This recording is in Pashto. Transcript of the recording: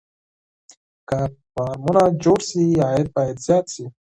که فارمونه جوړ شي عاید به زیات شي.